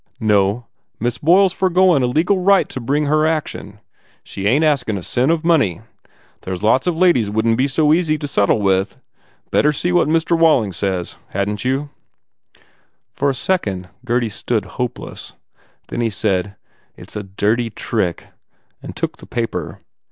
"No. Miss Boyle s foregoin a legal right to bring her action. She ain t askin a cent of money. There s lots of ladies wouldn t be so easy to settle with. Better see what Mr. Wall ing says, hadn t you?" For a second Gurdy stood hopeless. Then he said, "It s a dirty trick," and took the paper.